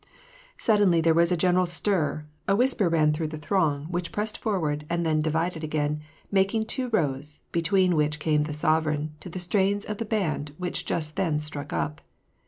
Suddenly there was a general stir : a whisper ran through the throng, which pressed forward and then divided again, making two rows, between which came the sovereign, to the strains of the band which just then struck up.